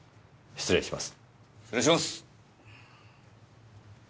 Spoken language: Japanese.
失礼します！